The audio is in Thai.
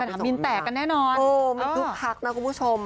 ถามมีนแตกกันแน่นอนโอ้โฮมีทุกพักนะคุณผู้ชม